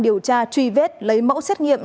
điều tra truy vết lấy mẫu xét nghiệm